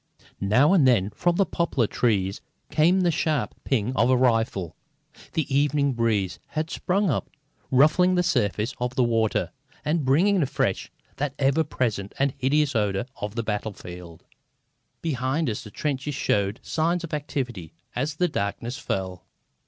Now and then from the poplar trees came the sharp ping of a rifle. The evening breeze had sprung up, ruffling the surface of the water, and bringing afresh that ever present and hideous odour of the battlefield. Behind us the trenches showed signs of activity as the darkness fell.